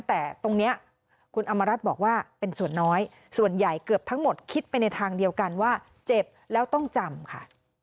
แต่ตรงนี้คุณอำมารัฐบอกว่าเป็นส่วนน้อยส่วนใหญ่เกือบทั้งหมดคิดไปในทางเดียวกันว่าเจ็บแล้วต้องจำค่ะ